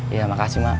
iya makasih mak